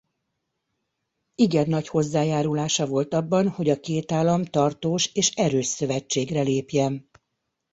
Igen nagy hozzájárulása volt abban hogy a két állam tartós és erős szövetségre lépjen.